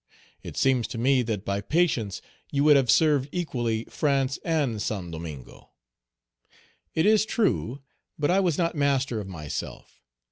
It seems to me that by patience you would have served equally France and Saint Domingo." "It is true; but I was not master of myself.